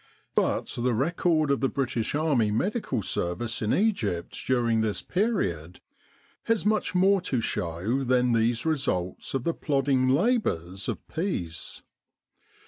But the record of the British Army Medical Service in Egypt during this period has much more to show than these results of the plodding labours of peace.